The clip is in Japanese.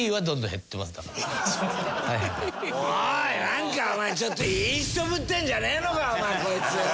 なんかお前ちょっといい人ぶってんじゃねえのかお前こいつよ！